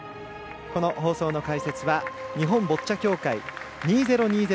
放送の解説は日本ボッチャ協会２０２０